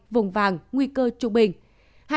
vùng vàng nguy cơ trung bình